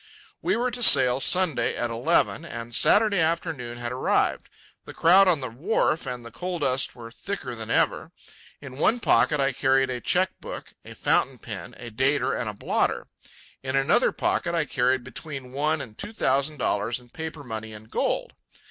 We were to sail Sunday at eleven, and Saturday afternoon had arrived. The crowd on the wharf and the coal dust were thicker than ever. In one pocket I carried a cheque book, a fountain pen, a dater, and a blotter; in another pocket I carried between one and two thousand dollars in paper money and gold.